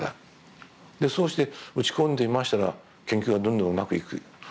そうして打ち込んでいましたら研究がどんどんうまくいく。